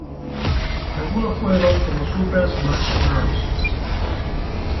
Algunos juegos como Super Smash Bros.